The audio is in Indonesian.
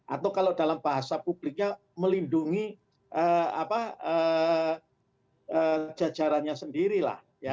atau kalau dalam bahasa publiknya melindungi jajarannya sendirilah